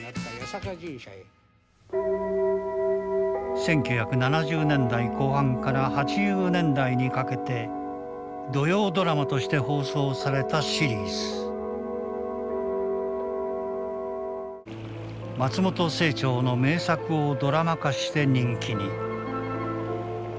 １９７０年代後半から８０年代にかけて「土曜ドラマ」として放送されたシリーズ。松本清張の名作をドラマ化して人気に。